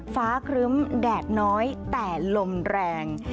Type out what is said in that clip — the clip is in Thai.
ครึ้มแดดน้อยแต่ลมแรง